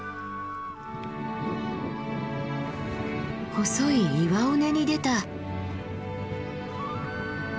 細い岩尾根に出た。